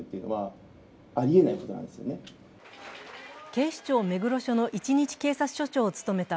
警視庁目黒署の一日警察署長を務めた